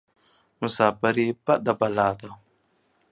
مساپرى بده بلا ده.